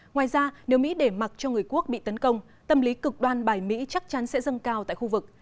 ngoài ra nếu mỹ để mặc cho người quốc bị tấn công tâm lý cực đoan bài mỹ chắc chắn sẽ dâng cao tại khu vực